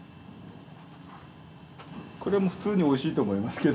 これも普通においしいと思いますけど。